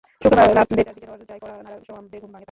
শুক্রবার রাত দেড়টার দিকে দরজায় কড়া নাড়ার শব্দে ঘুম ভাঙে তার।